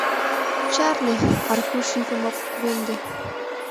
— Чарне, — Аркуш йӱкым ок кугемде.